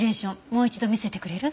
もう一度見せてくれる？